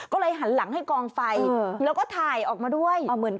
ก็เลยหันหลังให้กองไฟแล้วก็ถ่ายออกมาด้วย